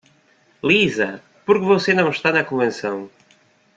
Lisa? porque você não está na convenção?